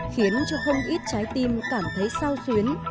khiến cho không ít trái tim cảm thấy sao xuyến